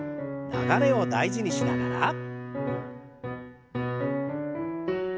流れを大事にしながら。